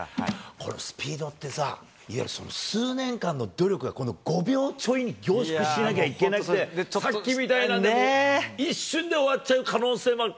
このスピードってさ、いわゆる数年間の努力が、この５秒ちょいに凝縮しなきゃいけなくって、さっきみたいな、一瞬で終わっちゃう可能性もある。